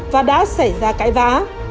và đã xảy ra cãi vã